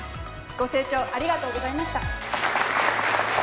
ご清聴ありがとうございました。